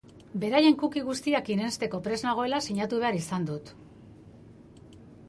Beraien cookie guztiak irensteko prest nagoela sinatu behar izan dut.